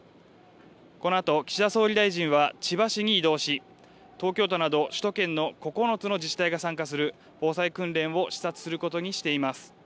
このあと岸田総理大臣は千葉市に移動し東京都など首都圏の９つの自治体が参加する防災訓練を視察することにしています。